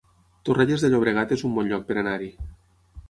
Torrelles de Llobregat es un bon lloc per anar-hi